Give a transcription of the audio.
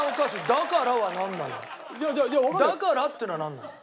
「だから」っていうのはなんなの？